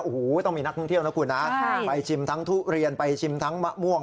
โอ้โหต้องมีนักท่องเที่ยวนะคุณนะไปชิมทั้งทุเรียนไปชิมทั้งมะม่วง